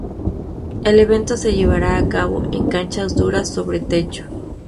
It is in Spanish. El evento se llevará a cabo en canchas duras sobre techo.